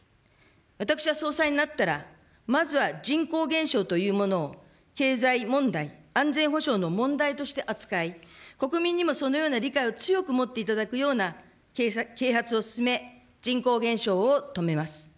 私は総裁になったら、まずは人口減少というものを経済問題、安全保障の問題として扱い、国民にもそのような理解を強く持っていただくような啓発を進め、人口減少を止めます。